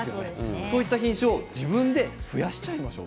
そういう品種を自分で増やしちゃいましょう。